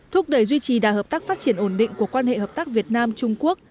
thúc đẩy duy trì đà hợp tác phát triển ổn định của quan hệ hợp tác việt nam trung quốc